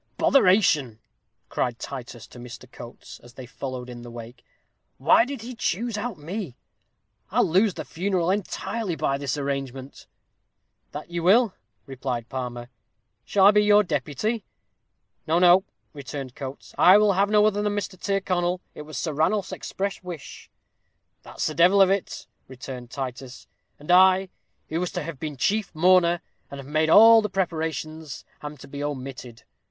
"Botheration!" cried Titus to Mr. Coates, as they followed in the wake, "why did he choose out me? I'll lose the funeral entirely by his arrangement." "That you will," replied Palmer. "Shall I be your deputy?" "No, no," returned Coates. "I will have no other than Mr. Tyrconnel. It was Sir Ranulph's express wish." "That's the devil of it," returned Titus; "and I, who was to have been chief mourner, and have made all the preparations, am to be omitted.